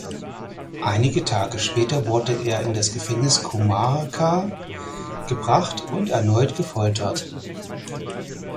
Einige Tage später wurde er in das Gefängnis Comarca gebracht und erneut gefoltert.